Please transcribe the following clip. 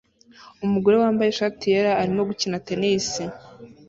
Umugore wambaye ishati yera arimo gukina tennis